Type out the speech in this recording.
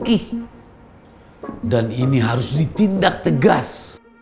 ih dan ini harus ditindak tegas